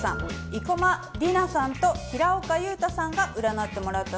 生駒里奈さんと平岡祐太さんが占ってもらったそうです。